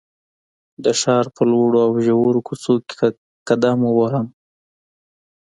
د ښار په لوړو او ژورو کوڅو کې قدم ووهم.